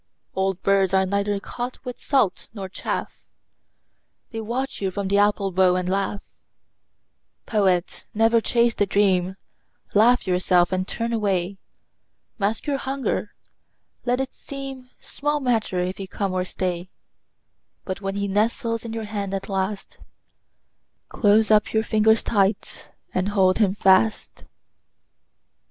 Old birds are neither caught with salt nor chaff: They watch you from the apple bough and laugh. Poet, never chase the dream. Laugh yourself and turn away. Mask your hunger; let it seem Small matter if he come or stay; But when he nestles in your hand at last, Close up your fingers tight and hold him fast.